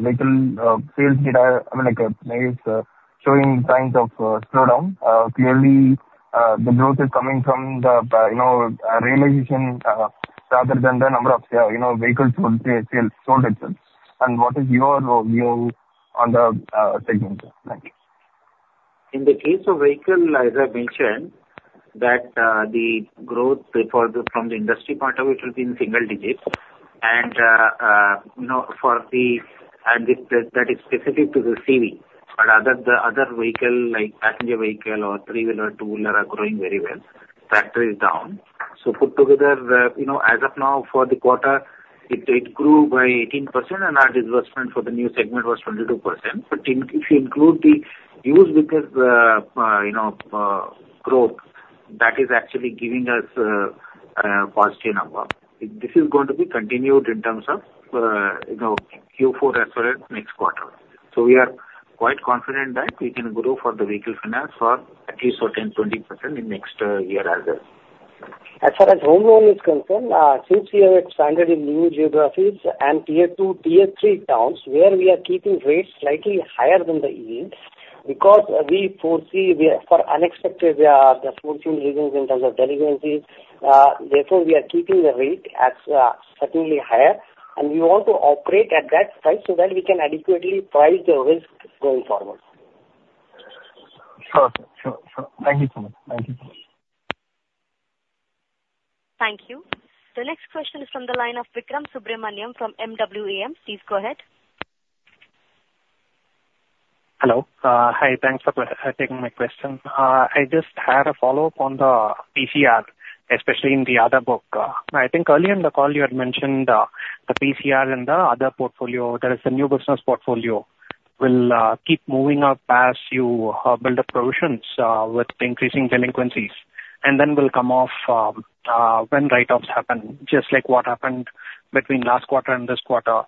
vehicle, sales data, I mean, like, maybe it's, showing signs of, slowdown. Clearly, the growth is coming from the, you know, realization, rather than the number of, you know, vehicles sold, sales sold itself. What is your view on the segment? Thank you. In the case of vehicle, as I mentioned, that the growth from the industry point of view, it will be in single-digits. You know, this that is specific to the CV, but the other vehicle, like passenger vehicle or three-wheeler, two-wheeler, are growing very well. Tractory is down. Put together, you know, as of now for the quarter, it grew by 18%, and our disbursement for the new segment was 22%. But if you include the used vehicle, you know, growth that is actually giving us a positive number. This is going to be continued in terms of, you know, Q4 as well as next quarter. So we are quite confident that we can grow for the vehicle finance for at least 10%-20% in next year as well. As far as home loan is concerned, since we have expanded in new geographies and Tier 2, Tier 3 towns, where we are keeping rates slightly higher than the yield, because we foresee we are for unexpected, the 14 regions in terms of delinquencies. Therefore, we are keeping the rate as certainly higher, and we want to operate at that site so that we can adequately price the risk going forward. Sure, sure. Sure. Thank you so much. Thank you. Thank you. The next question is from the line of Vikram Subramanian from MWAM. Please go ahead. Hello. Hi, thanks for taking my question. I just had a follow-up on the PCR, especially in the other book. I think earlier in the call you had mentioned the PCR in the other portfolio, that is the new business portfolio, will keep moving up as you build up provisions with the increasing delinquencies, and then will come off when write-offs happen, just like what happened between last quarter and this quarter.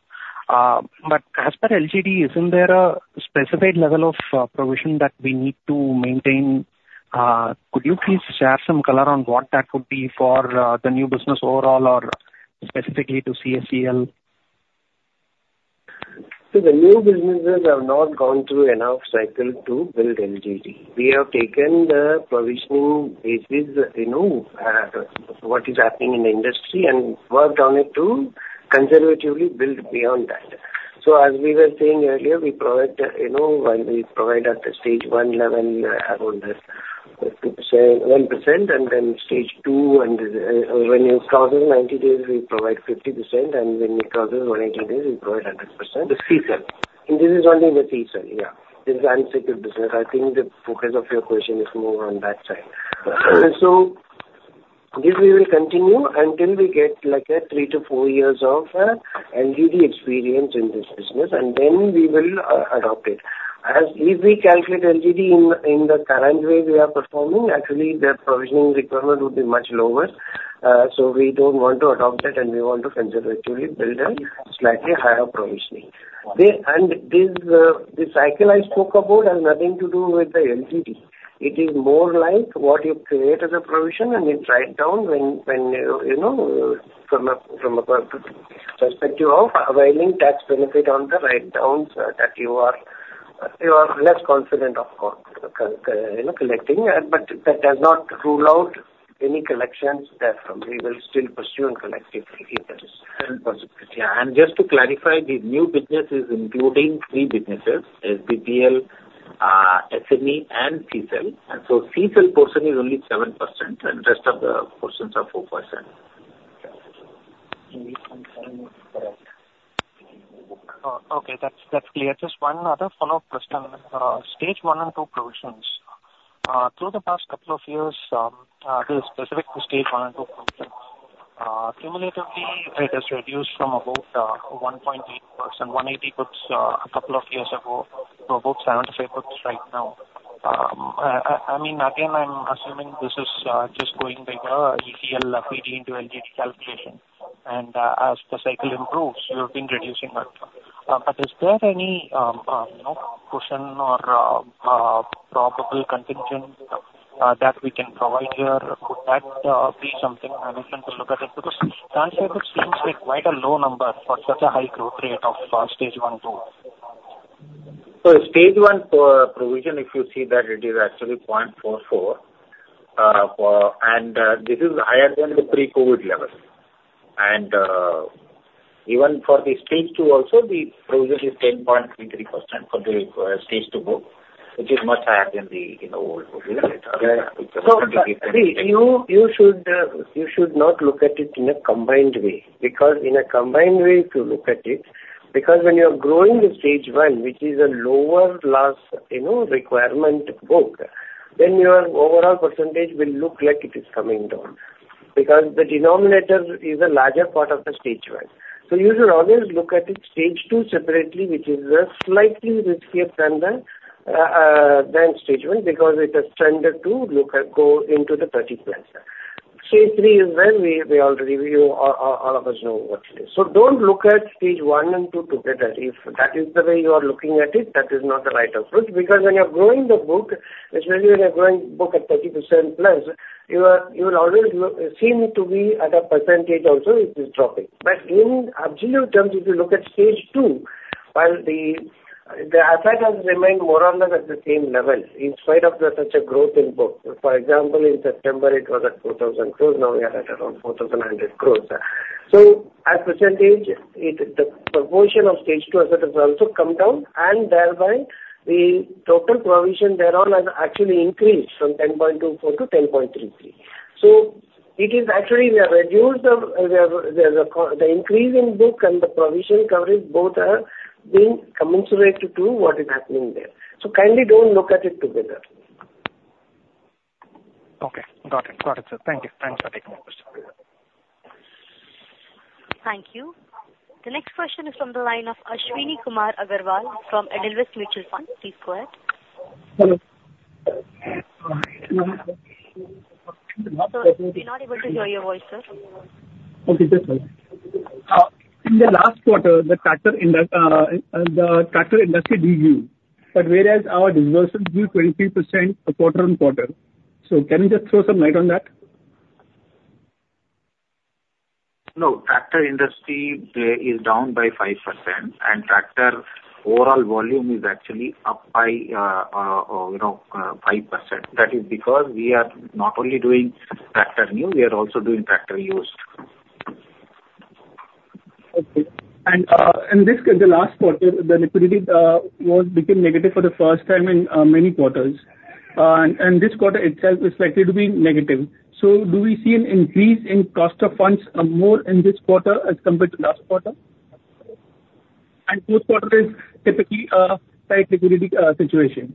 But as for LGD, isn't there a specific level of provision that we need to maintain? Could you please share some color on what that could be for the new business overall or specifically to CSEL? The new businesses have not gone through enough cycle to build LGD. We have taken the provisioning basis, you know, what is happening in the industry and worked on it to conservatively build beyond that. As we were saying earlier, we provide, you know, when we provide at the Stage 1 level, around 2%, 1%, and then Stage 2, and when it crosses 90 days, we provide 50%, and when it crosses 180 days, we provide 100%. The CSEL? This is only in the CSEL, yeah. This is the unsecured business. I think the focus of your question is more on that side. Uh- So this we will continue until we get, like, 3-4 years of LGD experience in this business, and then we will adopt it. As if we calculate LGD in the current way we are performing, actually, the provisioning requirement would be much lower. So we don't want to adopt that, and we want to conservatively build a slightly higher provisioning. And this, the cycle I spoke about has nothing to do with the LGD. It is more like what you create as a provision, and you write down when, you know, from a perspective of availing tax benefit on the write-downs, that you are less confident of, you know, collecting. But that does not rule out any collections therefrom. We will still pursue and collect if there is. And possibility. Yeah, and just to clarify, the new business is including three businesses, SBPL, SME, and CSEL. And so CSEL portion is only 7%, and rest of the portions are 4%. Okay, that's clear. Just one other follow-up question. Stage 1 and 2 provisions. Through the past couple of years, this specific to Stage 1 and 2 provisions, cumulatively, it has reduced from about 1.8%, 180 bps a couple of years ago, to about 75 bps right now. I mean, again, I'm assuming this is just going by the ECL PD into LGD calculation. And as the cycle improves, you've been reducing that. But is there any, you know, portion or probable contingent that we can provide here? Could that be something I need them to look at it? Because transfer book seems like quite a low number for such a high growth rate of Stage 1, 2. So Stage 1 provision, if you see that, it is actually 0.44, and this is higher than the pre-COVID level. And even for the Stage 2 also, the provision is 10.33% for the Stage 2 book, which is much higher than the, you know, old book. Yes. So, see, you should not look at it in a combined way, because in a combined way, if you look at it, because when you are growing the Stage 1, which is a lower loss, you know, requirement book, then your overall percentage will look like it is coming down, because the denominator is a larger part of the Stage 1. So you should always look at Stage 2 separately, which is slightly riskier than Stage 1, because it is tended to look at, go into the 30%+. Stage 3 is where we already review, all of us know what it is. So don't look at Stage 1 and 2 together. If that is the way you are looking at it, that is not the right approach, because when you are growing the book, especially when you are growing book at 30%+, you are, you will always seem to be at a percentage also, it is dropping. But in absolute terms, if you look at Stage 2, while the effect has remained more or less at the same level in spite of such a growth in book. For example, in September it was at 4,000 crore, now we are at around 4,100 crore. So as percentage, it, the proportion of Stage 2 assets has also come down, and thereby the total provision thereon has actually increased from 10.24% to 10.33%. So it is actually we have reduced the, we have the, the increase in book and the provision coverage, both are being commensurate to what is happening there. So kindly don't look at it together. Okay, got it. Got it, sir. Thank you. Thanks for taking my question. Thank you. The next question is from the line of Ashwani Kumar Agarwal from Edelweiss Mutual Fund. Please go ahead. Hello. Sir, we're not able to hear your voice, sir. Okay, yes, sir. In the last quarter, the tractor industry de-grew, but whereas our disbursements grew 23% quarter-on-quarter. So can you just throw some light on that? No, tractor industry is down by 5%, and tractor overall volume is actually up by, you know, 5%. That is because we are not only doing tractor new, we are also doing tractor used. Okay. And, and this, in the last quarter, the liquidity, was became negative for the first time in, many quarters. And, and this quarter itself is likely to be negative. So do we see an increase in cost of funds or more in this quarter as compared to last quarter? And this quarter is typically, tight liquidity, situation.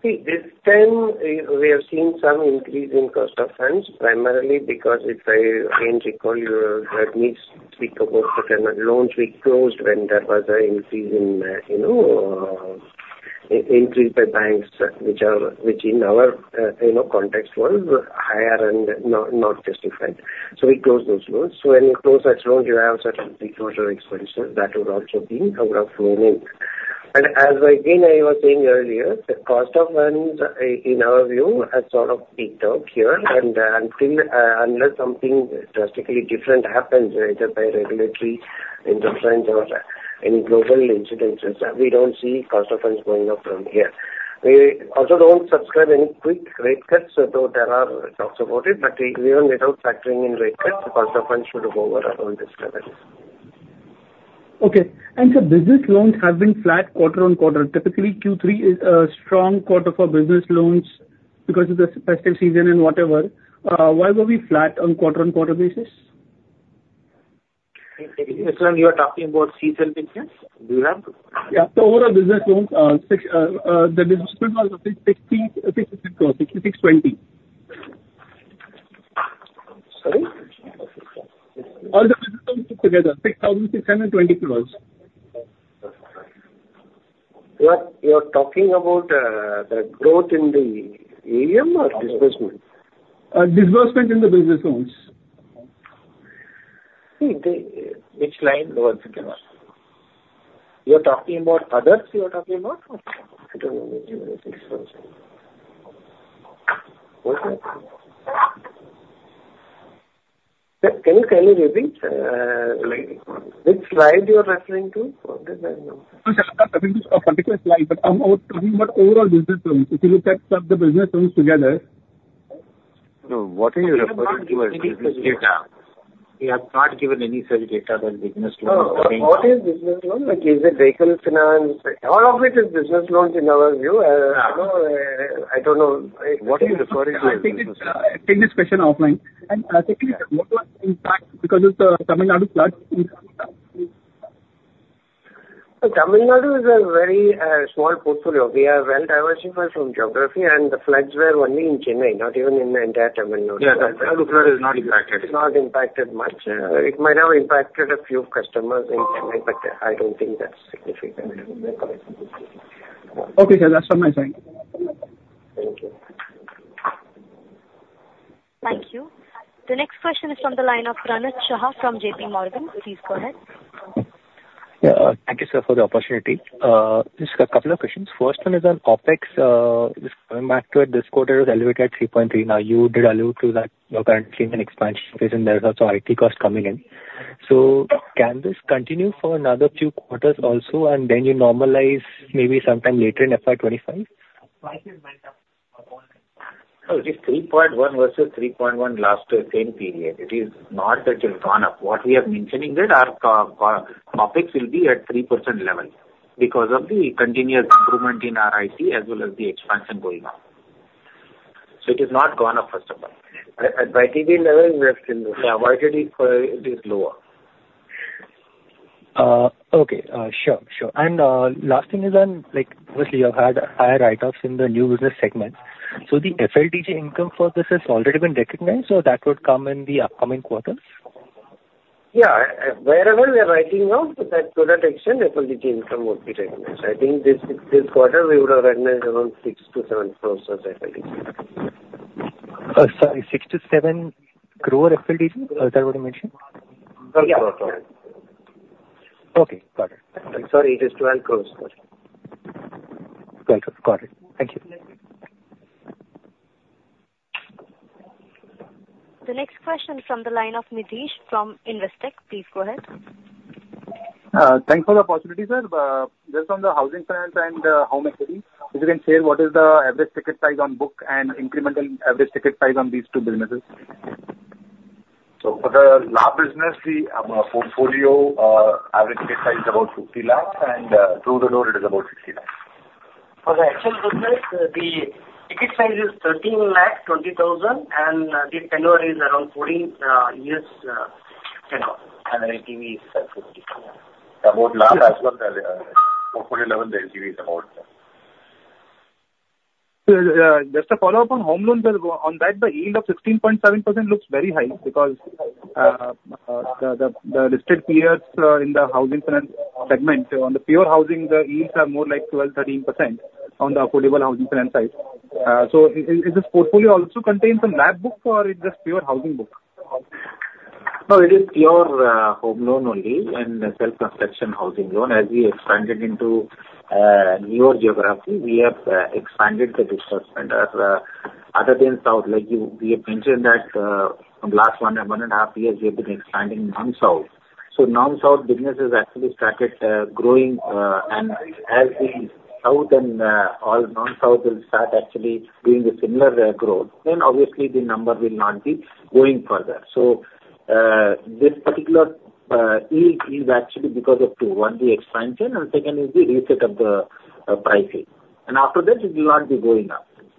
See, this time, we have seen some increase in cost of funds, primarily because if I again recall, or that means we proposed those loans we closed when there was an increase in, you know, increased by banks, which are, which in our, you know, context was higher and not justified. So we closed those loans. So when you close that loan, you have certain pre-closure expenses that would also have flown in. And as again, I was saying earlier, the cost of funds, in our view, has sort of peaked out here. And until unless something drastically different happens, either by regulatory interference or any global incidents, and so we don't see cost of funds going up from here. We also don't subscribe to any quick rate cuts, so though there are talks about it, but we are without factoring in rate cuts, the cost of funds should go over on this level. Okay. Sir, business loans have been flat quarter-on-quarter. Typically, Q3 is a strong quarter for business loans because of the festive season and whatever. Why were we flat on quarter-on-quarter basis? Sir, you are talking about seasonal business, do you have? Yeah. So overall business loans, the disbursement was INR 66 crores, INR 66.20. Sorry? All the business loans put together, INR 6,620 crore. You are, you are talking about the growth in the AUM or disbursement? Disbursement in the business loans. See, which line once again? You are talking about others, you are talking about? I don't know. What line? Can you tell me maybe, like, which slide you are referring to? For this I don't know. Sir, I'm not referring to a particular slide, but I'm more talking about overall business loans. If you look at some of the business loans together. What are you referring to as business data? We have not given any such data on business loans. Oh, what is business loan? Like, is it vehicle finance? All of it is business loans in our view. Yeah. You know, I don't know. What are you referring to as business loans? I'll take this, take this question offline. And, secondly, what was in fact, because of the Tamil Nadu floods in.? Tamil Nadu is a very, small portfolio. We are well diversified from geography, and the floods were only in Chennai, not even in the entire Tamil Nadu. Yeah, the Tamil Nadu is not impacted. It's not impacted much. It might have impacted a few customers in Chennai, but I don't think that's significant. Okay, sir. That's all my time. Thank you. Thank you. The next question is from the line of Pranav Shah from JPMorgan. Please go ahead. Yeah. Thank you, sir, for the opportunity. Just a couple of questions. First one is on OpEx. This quarter was elevated at 3.3. Now, you did allude to that you're currently in an expansion phase, and there's also IT costs coming in. So can this continue for another few quarters also, and then you normalize maybe sometime later in FY 2025? No, it is 3.1 versus 3.1 last same period. It is not that it has gone up. What we are mentioning that our cost-to-income will be at 3% level because of the continuous improvement in our IT as well as the expansion going on. So it has not gone up, first of all. At YTD level, we are still, yeah, marginally, it is lower. Okay, sure, sure. And, last thing is on, like, obviously, you've had higher write-offs in the new business segment. So the FLDG income for this has already been recognized, or that would come in the upcoming quarters? Yeah, wherever we are writing off, that to that extent, FLDG income would be recognized. I think this quarter we would have recognized around 6 crore-7 crore as FLDG. Sorry, 6 crore-7 crore FLDG? Is that what you mentioned? Yeah. Okay, got it. Sorry, it is 12 crore. INR 12 crore. Got it. Thank you. The next question from the line of Nidhesh from Investec. Please go ahead. Thanks for the opportunity, sir. Just on the housing finance and, home equity, if you can share what is the average ticket size on book and incremental average ticket size on these two businesses? So for the LAP business, the portfolio average ticket size is about 50 lakhs, and through the door, it is about 60 lakhs. For the actual business, the ticket size is 1,320,000, and the tenure is around 14 years. LTV is 30. About last as well, portfolio level, the LTV is about- So, just a follow-up on home loans, on that, the yield of 16.7% looks very high, because the listed peers in the housing finance segment, on the pure housing, the yields are more like 12%, 13% on the affordable housing finance side. Is this portfolio also contains some LAP book or it's just pure housing book? No, it is pure home loan only and self-construction housing loan. As we expanded into newer geography, we have expanded the disbursement or other than South. Like you, we have mentioned that from last 1.5 years, we have been expanding non-South. So non-South business has actually started growing, and as the South and all non-South will start actually doing the similar growth, then obviously the number will not be going further. So this particular yield is actually because of 2: 1, the expansion, and second is the reset of the pricing. And after that, it will not be going up.